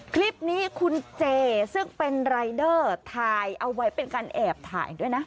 คลิปนี้คุณเจซึ่งเป็นรายเดอร์ถ่ายเอาไว้เป็นการแอบถ่ายด้วยนะ